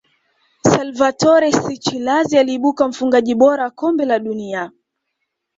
salvatore schillaci aliibuka mfungaji bora wa kombe la dunia